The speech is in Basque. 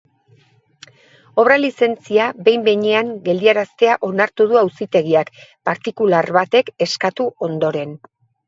Obra-lizentzia behin-behinean geldiaraztea onartu du auzitegiak, partikular batek eskatu ondoren.